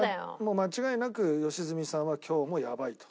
間違いなく良純さんは今日もやばいと。